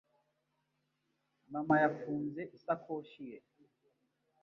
Mama yafunze isakoshi ye.